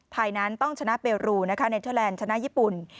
ไทยนั้นต้องชนะเปรูนะคะเนเทอร์แลนด์ชนะญี่ปุ่น